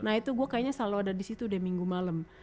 nah itu gue kayaknya selalu ada di situ deh minggu malem